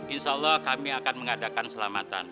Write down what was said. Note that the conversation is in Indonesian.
insya allah kami akan mengadakan selamatan